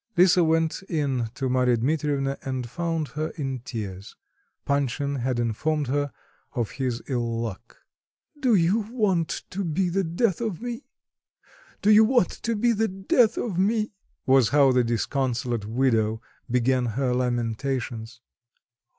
Lisa went in to Marya Dmitrievna and found her in tears; Panshin had informed her of his ill luck. "Do you want to be the death of me? Do you want to be the death of me?" was how the disconsolate widow began her lamentations.